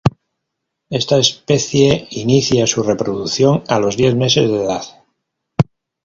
Esta especie inicia su reproducción a los diez meses de edad.